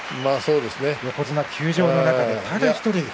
横綱休場の中で、ただ１人。